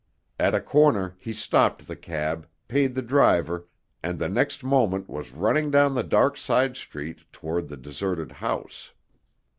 At a corner he stopped the cab, paid the driver, and the next moment was running down the dark side street toward the deserted house.